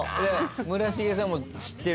村重さんも知ってる？